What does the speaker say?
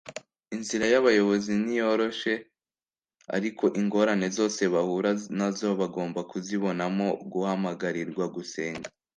inzira y'abayobozi ntiyoroshe. ariko ingorane zose bahura nazo bagomba kuzibonamo guhamagarirwa gusenga